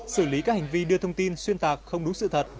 xử lý các hành vi đưa thông tin xuyên tạc không đúng sự thật